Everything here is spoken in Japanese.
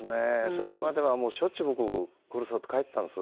それまではしょっちゅう僕故郷帰ってたんです。